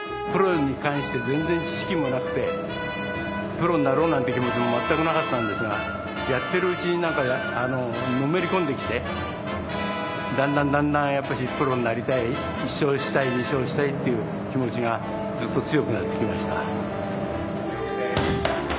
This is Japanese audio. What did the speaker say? プロに関して全然知識もなくてプロになろうなんて気持ちも全くなかったんですがやってるうちになんかのめり込んできてだんだんだんだんやっぱしプロになりたい１勝したい２勝したいっていう気持ちがずっと強くなってきました。